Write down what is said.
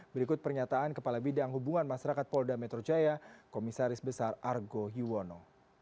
berikut pernyataan kepala bidang hubungan masyarakat polda metro jaya komisaris besar argo yuwono